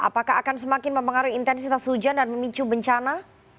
apakah akan semakin mempengaruhi intensitas hujan dan memicu bencana